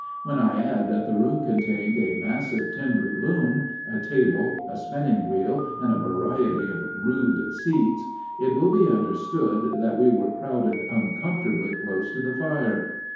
When I add that the room contained a massive timber loom, a table, a spinning wheel, and a variety of rude seats, it will be understood that we were crowded uncomfortably close to the fire.